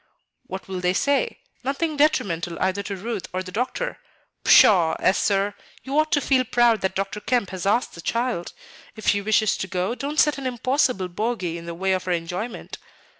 "What will they say? Nothing detrimental either to Ruth or the doctor. Pshaw, Esther! You ought to feel proud that Dr. Kemp has asked the child. If she wishes to go, don't set an impossible bogy in the way of her enjoyment.